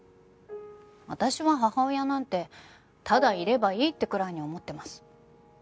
私は母親なんてただいればいいってくらいに思ってます。